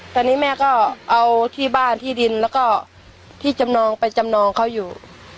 ตอนนี้แม่ก็เอาที่บ้านที่ดินแล้วก็ที่จำนองไปจำนองเขาอยู่